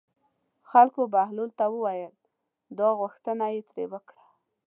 خلکو بهلول ته وویل او غوښتنه یې ترې وکړه.